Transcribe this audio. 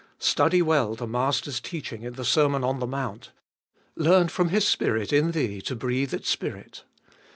Study well the Master's teaching in the Sermon on the Mount ; learn from His Spirit in thee to breathe its spirit.